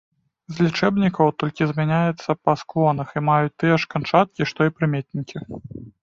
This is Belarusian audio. З лічэбнікаў толькі змяняюцца па склонах і маюць тыя ж канчаткі, што і прыметнікі.